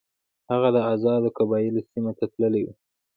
هغه د آزادو قبایلو سیمې ته تللی وو.